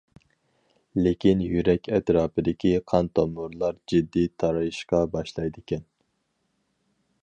لېكىن، يۈرەك ئەتراپىدىكى قان تومۇرلار جىددىي تارىيىشقا باشلايدىكەن.